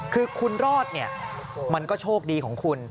คือคุณรอดเนี่ยมันก็โชคดีของคุณ